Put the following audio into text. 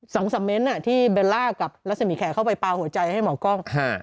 สองสามเน้นอ่ะที่เบลล่ากับรัศมีแขกเข้าไปปลาหัวใจให้หมอกล้องฮะ